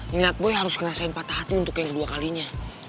ngeliat boy harus kena sein patah hati untuk yang kedua kalinya